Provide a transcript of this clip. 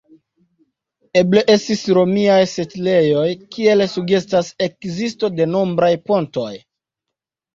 Eble estis romiaj setlejoj, kiel sugestas ekzisto de nombraj pontoj.